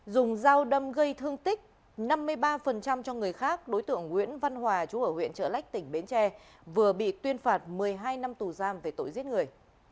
dùng dao đâm gây thương tích năm mươi ba cho người khác đối tượng nguyễn văn hòa chú ở huyện trợ lách tỉnh bến tre vừa bị tuyên phạt một mươi hai năm tù giam về tội giết người